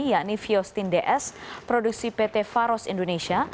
yakni fiostin ds produksi pt faros indonesia